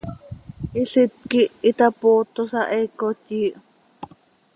Ilít quih itapootosa, heecot yiih.